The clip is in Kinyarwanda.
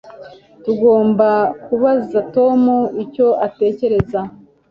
Tugomba kubaza Tom icyo atekereza